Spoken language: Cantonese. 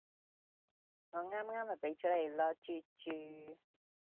我啱啱咪畀咗你囉豬豬